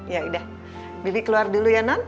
yaudah bibi keluar dulu ya nan